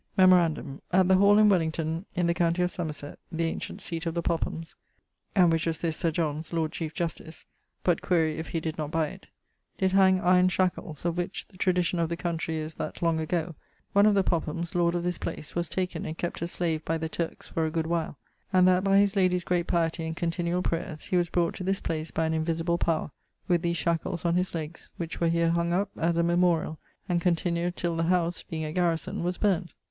Memorandum: at the hall in Wellington[AW] in the countie of Somerset (the ancient seate of the Pophams), and which was this Sir John's, Lord Chiefe Justice, (but quaere if he did not buy it?) did hang iron shackells, of which the tradicion of the countrey is that, long agoe, one of the Pophams (lord of this place) was taken and kept a slave by the Turkes for a good while, and that by his ladie's great pietie, and continuall prayers, he was brought to this place by an invisible power, with these shackells on his legges, which were here hung up as a memoriall, and continued till the house (being a garrison) was burn't.